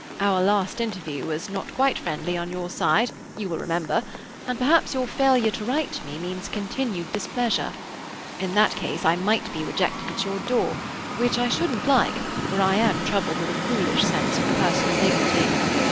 Our last interview was not quite friendly on your side, you will remember, and perhaps your failure to write to me means continued displeasure; in that case I might be rejected at your door, which I shouldn't like, for I am troubled with a foolish sense of personal dignity.